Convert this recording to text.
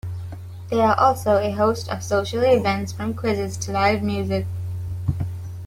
There are also a host of social events from quizzes to live music.